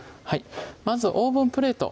まずオーブンプレート